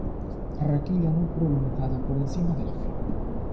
Raquilla no prolongada por encima de la flor.